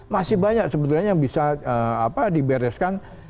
masih banyak sebetulnya yang bisa dibereskan